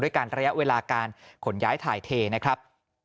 การระยะเวลาการขนย้ายถ่ายเทนะครับ